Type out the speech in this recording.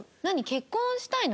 結婚したいの？